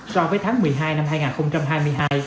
so với tháng một mươi hai năm hai nghìn hai mươi hai